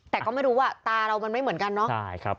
แต่ก็ไม่รู้ว่าตาเรามันไม่เหมือนกันเนาะ